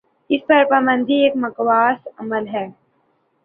اس پر پابندی ایک معکوس عمل ہے۔